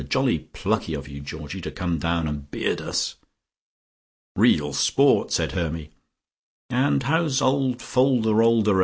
Jolly plucky of you, Georgie, to come down and beard us." "Real sport," said Hermy. "And how's old Fol de rol de ray?